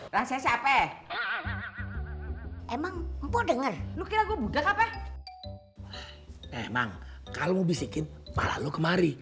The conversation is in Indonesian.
rasanya siapa emang denger lu kira gue budak apa emang kalau mau bisikin malah lo kemari